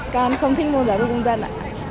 con không thích môn giáo dục công dân ạ